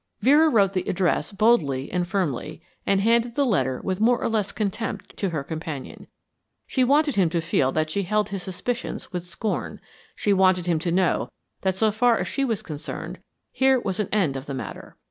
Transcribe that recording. Vera wrote the address boldly and firmly, and handed the letter with more or less contempt to her companion. She wanted him to feel that she held his suspicions with scorn. She wanted him to know that so far as she was concerned here was an end of the matter.